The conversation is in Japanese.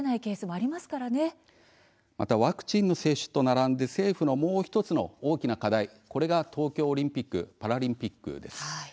そしてワクチンの接種と並んで政府のもう１つの大きな課題、それが東京オリンピック・パラリンピックです。